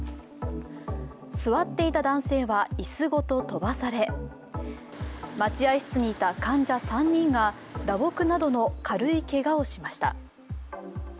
座っていた男性は椅子ごと飛ばされ、待合室にいた患者３人が打撲などの軽いけがをしました。